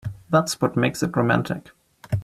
That's what makes it romantic.